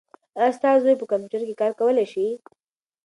ایا ستا زوی په کمپیوټر کې کار کولای شي؟